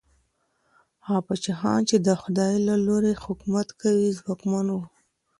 هغه پاچاهان چي د خدای له لورې حکومت کوي، ځواکمن وو.